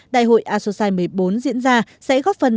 đại hội asosai một mươi bốn diễn ra sẽ góp phần